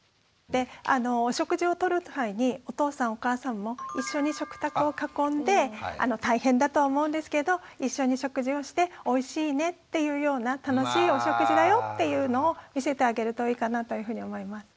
でお食事をとる際にお父さんお母さんも一緒に食卓を囲んで大変だとは思うんですけど一緒に食事をして「おいしいね」っていうような楽しいお食事だよっていうのを見せてあげるといいかなというふうに思います。